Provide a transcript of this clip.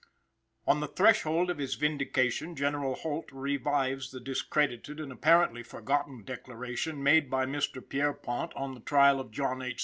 On the threshold of his Vindication, Gen. Holt revives the discredited and apparently forgotten declaration made by Mr. Pierrepont on the trial of John H.